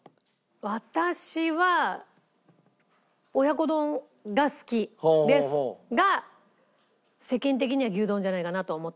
私は親子丼が好きですが世間的には牛丼じゃないかなと思ってます。